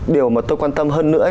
điều mà tôi quan tâm hơn nữa